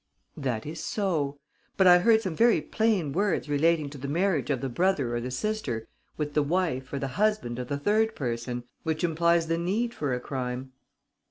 "That is so. But I heard some very plain words relating to the marriage of the brother or the sister with the wife or the husband of the third person, which implies the need for a crime."